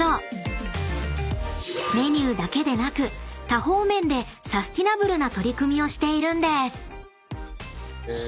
［メニューだけでなく多方面でサスティナブルな取り組みをしているんです］